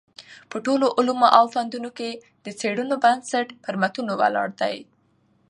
په ټولو علومو او فنونو کي د څېړنو بنسټ پر متونو ولاړ دﺉ.